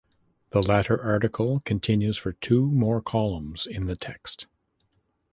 The latter article continues for two more columns in the text.